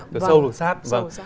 từ sâu được sát